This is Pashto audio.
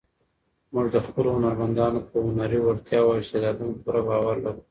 موږ د خپلو هنرمندانو په هنري وړتیاوو او استعدادونو پوره باور لرو.